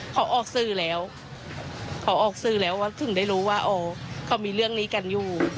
เขาออกสื่อแล้วถึงได้รู้ว่าเขามีเรื่องนี้กันอยู่